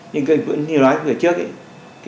như nói với người trước